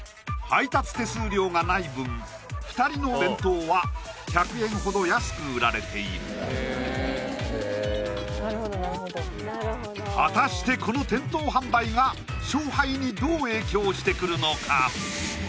配達手数料がない分２人の弁当は１００円ほど安く売られている果たしてこの店頭販売が勝敗にどう影響してくるのか？